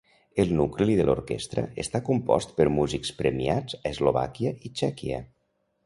El nucli de l'orquestra està compost per músics premiats a Eslovàquia i Txèquia.